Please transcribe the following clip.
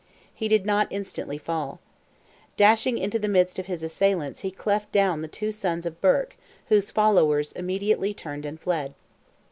He did not instantly fall. Dashing into the midst of his assailants he cleft down the two sons of Burke, whose followers immediately turned and fled.